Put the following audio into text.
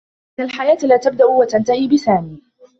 إنّ الحياة لا تبدأ و تنتهي بسامي.